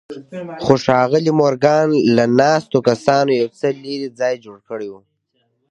خو ښاغلي مورګان له ناستو کسانو يو څه لرې ځای جوړ کړی و.